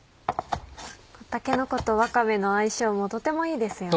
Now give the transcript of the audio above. たけのことわかめの相性もとてもいいですよね。